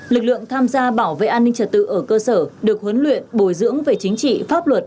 lực lượng tham gia bảo vệ an ninh trật tự ở cơ sở được huấn luyện bồi dưỡng về chính trị pháp luật